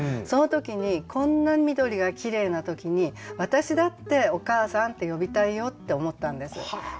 その時にこんな緑がきれいな時に私だって「お母さん」って呼びたいよって思ったんです。